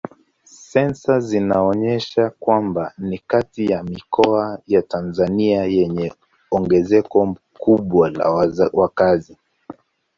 Sensa zinaonyesha kwamba ni kati ya mikoa ya Tanzania yenye ongezeko kubwa la wakazi.